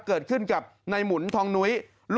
เกิดขึ้นกับในหมุนทองนุ้ย